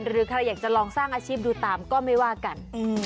หรือใครอยากจะลองสร้างอาชีพดูตามก็ไม่ว่ากัน